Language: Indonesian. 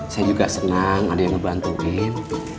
saya juga senang ada yang ngebantuin